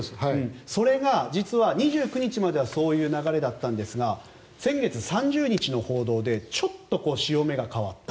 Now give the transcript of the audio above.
それが、実は２９日まではそういう流れだったんですが先月３０日の報道でちょっと潮目が変わった。